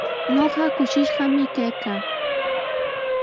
Ñuqa kushishqami kaykaa.